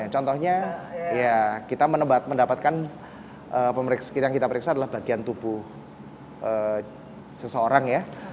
contohnya kita mendapatkan pemeriksaan bagian tubuh seseorang